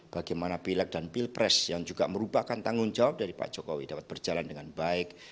bagaimana pilek dan pilpres yang juga merupakan tanggung jawab dari pak jokowi dapat berjalan dengan baik